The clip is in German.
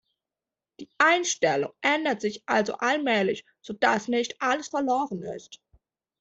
Die Einstellung ändert sich also allmählich, sodass noch nicht alles verloren ist.